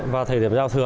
vào thời điểm giao thừa